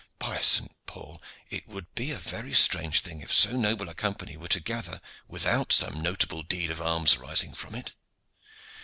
By St. Paul! it would be a very strange thing if so noble a company were to gather without some notable deed of arms arising from it.